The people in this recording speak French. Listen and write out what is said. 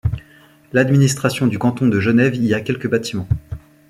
L'administration du canton de Genève y a quelques bâtiments.